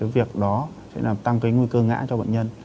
việc đó sẽ làm tăng cái nguy cơ ngã cho bệnh nhân